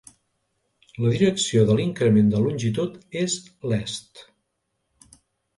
La direcció de l'increment de longitud és l'est.